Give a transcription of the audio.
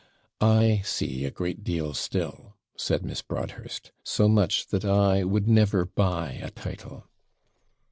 'I see a great deal still,' said Miss Broadhurst; 'so much, that I would never buy a title.'